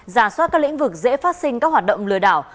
giả soát các lĩnh vực dễ phát sinh các hoạt động lừa đảo